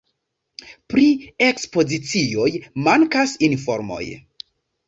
Pri ekspozicioj mankas informoj.